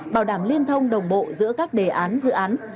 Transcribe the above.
bảo đảm liên thông đồng bộ giữa các đề án dự án